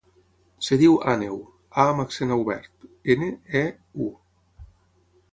Es diu Àneu: a amb accent obert, ena, e, u.